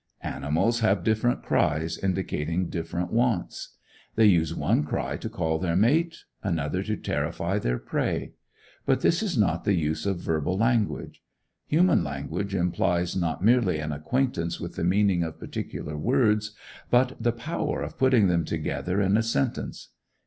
Animals have different cries, indicating different wants. They use one cry to call their mate, another to terrify their prey. But this is not the use of verbal language. Human language implies not merely an acquaintance with the meaning of particular words, but the power of putting them together in a sentence.